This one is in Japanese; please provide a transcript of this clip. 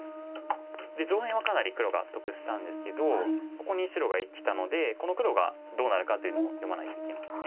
上辺はかなり黒が得したんですけどここに白がきたのでこの黒がどうなるかというのを読まないといけません。